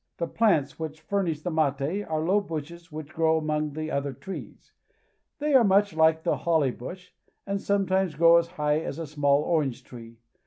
The plants which furnish the mate are low bushes 236 PARAGUAY. which grow among the other trees. They are much Hke the holly bush, and sometimes grow as high as a small orange tree.